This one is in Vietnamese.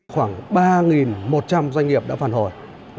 khoảng ba một trăm linh doanh nghiệp đã phản hồi